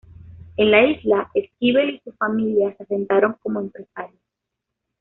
En la isla, Esquivel y su familia se asentaron como empresarios.